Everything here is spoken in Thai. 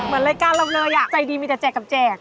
เหมือนรายการเราเลยอ่ะใจดีมีแต่แจกกับแจก